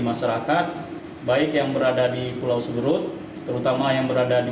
sementara itu badan penanggulangan bencana daerah atau bpbd mentawai